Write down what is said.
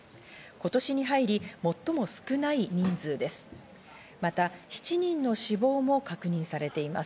今年に入り最も少ない人数です。